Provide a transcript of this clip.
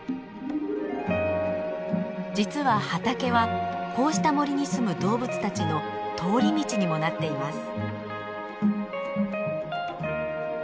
実は畑はこうした森にすむ動物たちの通り道にもなっています。